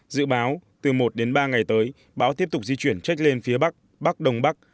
dự báo từ một đến ba ngày tới bão tiếp tục di chuyển trách lên phía bắc bắc đông bắc